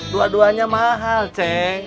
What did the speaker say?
dua duanya mahal ceng